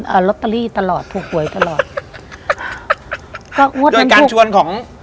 อ่าลอตเตอรี่ตลอดถูกหวยตลอดก็งดนั้นถูกโดยการชวนของ